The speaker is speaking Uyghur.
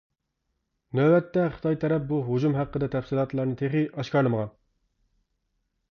نۆۋەتتە خىتاي تەرەپ بۇ ھۇجۇم ھەققىدە تەپسىلاتلارنى تېخى ئاشكارىلىمىغان.